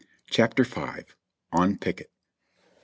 CHAPTER V. ON PICKET. It.